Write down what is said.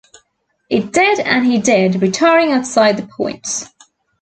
It did and he did, retiring outside the points.